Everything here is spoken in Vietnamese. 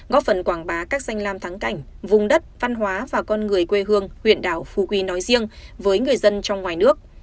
góp phần quảng bá các danh lam thắng cảnh vùng đất văn hóa và con người quê hương huyện đảo phu quý nói riêng với người dân trong ngoài nước